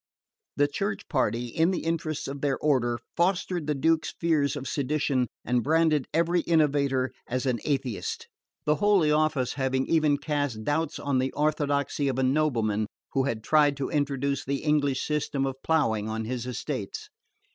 The Church party, in the interest of their order, fostered the Duke's fears of sedition and branded every innovator as an atheist; the Holy Office having even cast grave doubts on the orthodoxy of a nobleman who had tried to introduce the English system of ploughing on his estates.